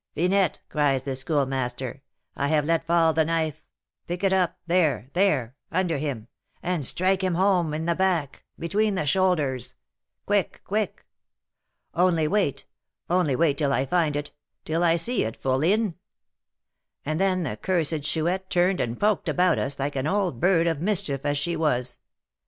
'Finette,' cries the Schoolmaster, 'I have let fall the knife; pick it up, there, there, under him, and strike him home, in the back, between the shoulders; quick! quick!' 'Only wait, only wait till I find it, till I see it, fourline.' And then the cursed Chouette turned and poked about us, like an old bird of mischief as she was.